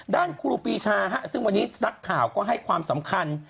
ครูปีชาซึ่งวันนี้นักข่าวก็ให้ความสำคัญ